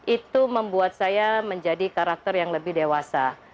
itu membuat saya menjadi karakter yang lebih dewasa